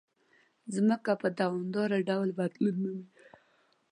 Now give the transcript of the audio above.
مځکه په دوامداره ډول بدلون مومي.